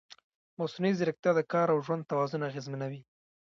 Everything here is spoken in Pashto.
مصنوعي ځیرکتیا د کار او ژوند توازن اغېزمنوي.